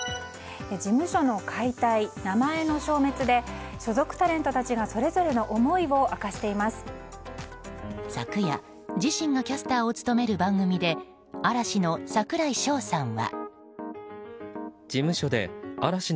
事務所の解体、名前の消滅で所属タレントたちが昨夜、自身がキャスターを務める番組で嵐の櫻井翔さんは。